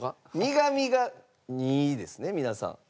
苦味が２ですね皆さん。